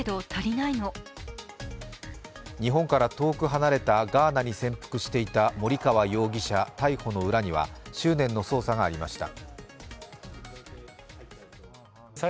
日本から遠く離れたガーナに潜伏していた森川容疑者逮捕の裏には執念の捜査がありました。